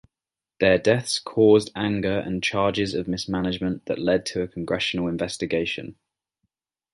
Their deaths caused anger and charges of mismanagement that led to a Congressional investigation.